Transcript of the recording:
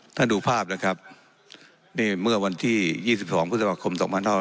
ดูภาพนะครับนี่เมื่อวันที่๒๒พฤษภาคม๒๕๖๐